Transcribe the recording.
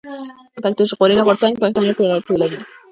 پښتون ژغورني غورځنګ پښتانه راټولوي.